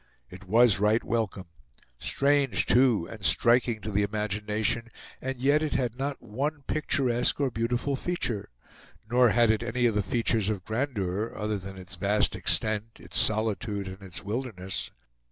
It was right welcome; strange too, and striking to the imagination, and yet it had not one picturesque or beautiful feature; nor had it any of the features of grandeur, other than its vast extent, its solitude, and its wilderness.